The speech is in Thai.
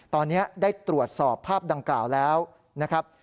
ตอนนี้ได้ตรวจสอบภาพดังกล่าวแล้วนะครับ